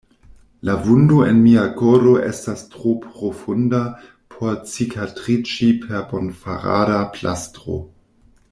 La vundo en mia koro estas tro profunda por cikatriĝi per bonfarada plastro.